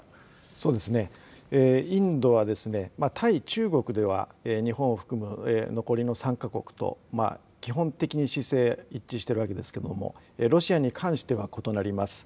そうですね、インドは対中国では日本を含む残りの３か国と基本的に姿勢、一致してるわけですけれども、ロシアに関しては異なります。